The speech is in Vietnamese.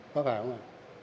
có phải không ạ